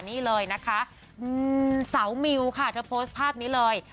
นี่เลยนะคะสาวมิวค่ะเธอโพสต์ภาพนี้เลย